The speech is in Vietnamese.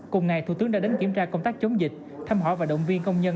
cùng ngày thủ tướng đã đến kiểm tra công tác chống dịch thăm hỏi và động viên công nhân